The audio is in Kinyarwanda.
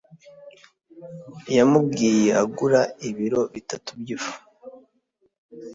yamubwiye agura ibiro bitatu byifu